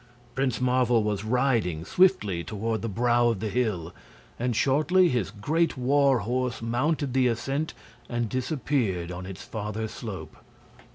Prince Marvel was riding swiftly toward the brow of the hill, and shortly his great war horse mounted the ascent and disappeared on its farther slope.